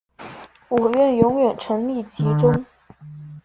我愿永远沈溺其中